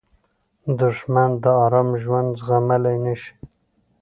دښمن د آرام ژوند زغملی نه شي